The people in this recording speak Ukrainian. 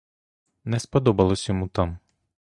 Не сподобалось йому там.